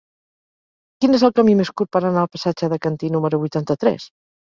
Quin és el camí més curt per anar al passatge de Cantí número vuitanta-tres?